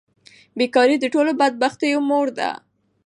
بیکاري د ټولو بدبختیو مور ده.